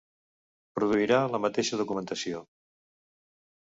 Produirà la mateixa documentació.